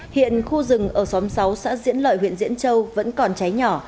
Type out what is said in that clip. hiện khu rừng ở xóm sáu xã diễn lợi huyện diễn châu vẫn còn cháy nhỏ